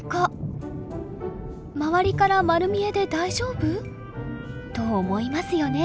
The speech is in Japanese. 周りから丸見えで大丈夫？と思いますよね。